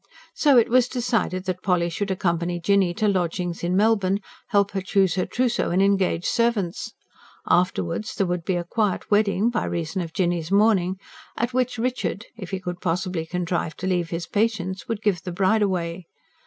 So it was decided that Polly should accompany Jinny to lodgings in Melbourne, help her choose her trousseau and engage servants. Afterwards there would be a quiet wedding by reason of Jinny's mourning at which Richard, if he could possibly contrive to leave his patients, would give the bride away.